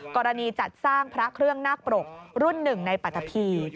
กรณีจัดสร้างพระเครื่องนักปลกรุ่นหนึ่งในปฏภีร์